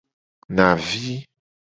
Navi.